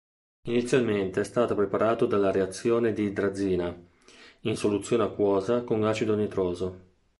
Inizialmente è stato preparato dalla reazione di idrazina in soluzione acquosa con acido nitroso.